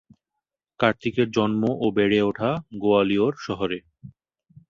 কার্তিকের জন্ম ও বেড়ে ওঠে গোয়ালিয়র শহরে।